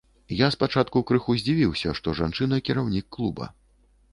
Я спачатку крыху здзівіўся, што жанчына кіраўнік клуба.